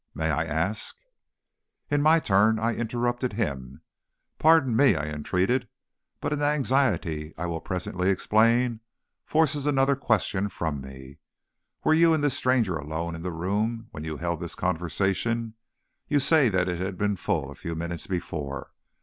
May I ask " In my turn I interrupted him. "Pardon me," I entreated, "but an anxiety I will presently explain forces another question from me. Were you and this stranger alone in the room when you held this conversation? You say that it had been full a few minutes before.